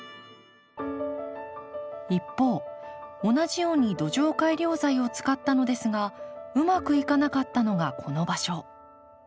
一方同じように土壌改良材を使ったのですがうまくいかなかったのがこの場所。